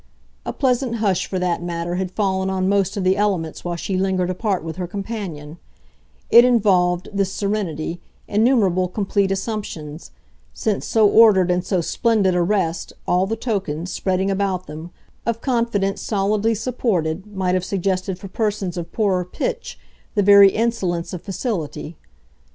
A pleasant hush, for that matter, had fallen on most of the elements while she lingered apart with her companion; it involved, this serenity, innumerable complete assumptions: since so ordered and so splendid a rest, all the tokens, spreading about them, of confidence solidly supported, might have suggested for persons of poorer pitch the very insolence of facility.